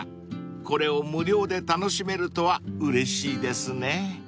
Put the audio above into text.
［これを無料で楽しめるとはうれしいですね］